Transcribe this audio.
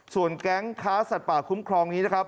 ส่วนแก๊งค้าสัตว์ป่าคุ้มครองนี้นะครับ